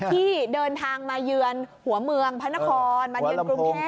ที่เดินทางมาเยือนหัวเมืองพระนครมาเยือนกรุงเทพ